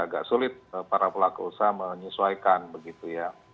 agak sulit para pelaku usaha menyesuaikan begitu ya